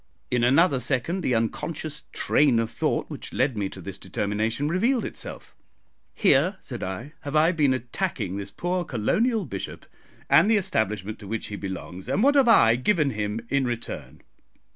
In another second the unconscious train of thought which led me to this determination revealed itself. "Here," said I, "have I been attacking this poor colonial bishop and the Establishment to which he belongs, and what have I given him in return?